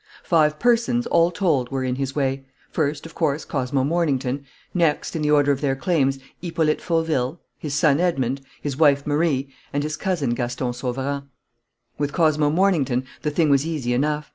Five persons, all told, were in his way: first, of course, Cosmo Mornington; next, in the order of their claims, Hippolyte Fauville, his son Edmond, his wife Marie, and his cousin Gaston Sauverand. "With Cosmo Mornington, the thing was easy enough.